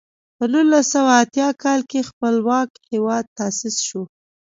په نولس سوه اتیا کال کې خپلواک هېواد تاسیس شو.